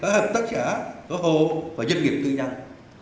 hợp tác giả tổ hội và doanh nghiệp tư năng